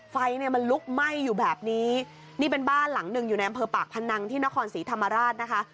ไฟเนี่ยมันลุกไหม้อยู่แบบนี้นี่เป็นบ้านหลังหนึ่งอยู่ในอำเภอปากพนังที่นครศรีธรรมราชนะคะ